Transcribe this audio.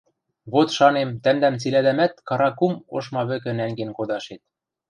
Вот, шанем, тӓмдӓм цилӓдӓмӓт Кара-Кум ошма вӹкӹ нӓнген кодашет!